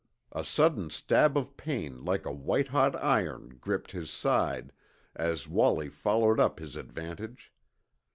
A sudden stab of pain like a white hot iron gripped his side as Wallie followed up his advantage.